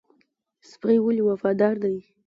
سپی ولې وفادار دی؟